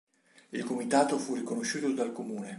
Il Comitato fu riconosciuto dal Comune.